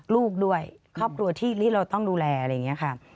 ลูกด้วยครอบครัวที่เราต้องดูแลอะไรอย่างนี้ค่ะ